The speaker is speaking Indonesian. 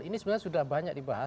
ini sebenarnya sudah banyak dibahas